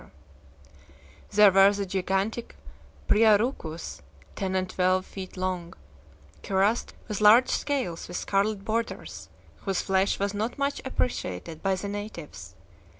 There were the gigantic "pria rucus," ten and twelve feet long, cuirassed with large scales with scarlet borders, whose flesh was not much appreciated by the natives.